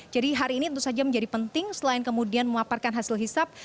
jadi hari ini tentu saja menjadi penting selain kemudian memaparkan hasil hisap